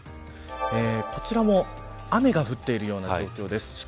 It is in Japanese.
こちらも、雨が降っているような状況です。